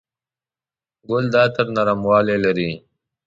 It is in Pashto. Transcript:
ګل د عطر نرموالی لري.